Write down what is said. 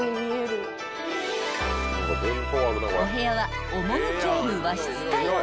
［お部屋は趣ある和室タイプ］